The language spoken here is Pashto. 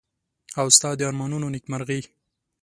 او ستا د ارمانونو نېکمرغي.